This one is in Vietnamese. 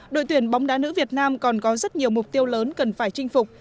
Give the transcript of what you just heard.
đội tuyển bóng đá nữ việt nam còn có rất nhiều mục tiêu lớn cần phải chinh phục